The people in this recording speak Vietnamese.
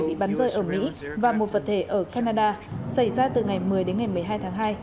bị bắn rơi ở mỹ và một vật thể ở canada xảy ra từ ngày một mươi đến ngày một mươi hai tháng hai